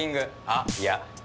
あっいや。